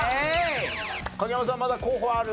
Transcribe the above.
影山さんまだ候補ある？